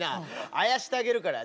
あやしてあげるから。